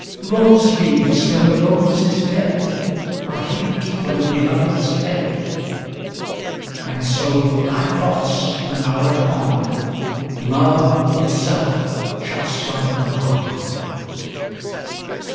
Rose leaves, when the rose is dead, Are heaped for the beloved's bed; And so thy thoughts, when thou art gone, Love itself shall slumber on.